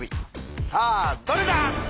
さあどれだ？